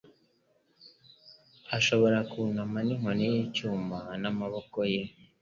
Ashobora kunama inkoni y'icyuma n'amaboko ye.